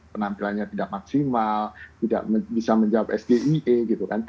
penampilannya tidak maksimal tidak bisa menjawab sdie